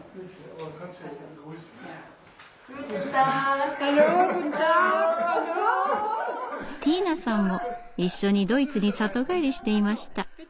ティーナさんも一緒にドイツに里帰りしていました。